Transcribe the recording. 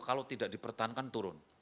kalau tidak dipertahankan turun